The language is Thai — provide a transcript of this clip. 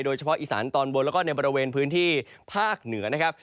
โดยเฉพาะอีสานตอนบนแล้วก็ในบริเวณพื้นที่ภาคเหนือนะครับ